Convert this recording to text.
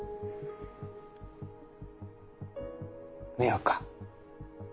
迷惑か？